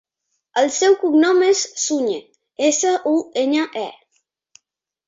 El seu cognom és Suñe: essa, u, enya, e.